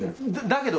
だけど。